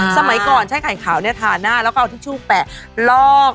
สมัยก่อนใช้ไข่ขาวทาหน้าแล้วก็เอาทิชชู่แปะลอก